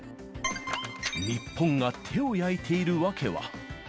日本が手を焼いている訳は。